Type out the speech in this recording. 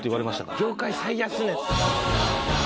業界最安値。